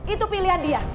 itu pilihan dia